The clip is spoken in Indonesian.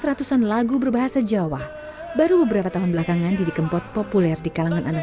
ratusan lagu berbahasa jawa baru beberapa tahun belakangan didi kempot populer di kalangan anak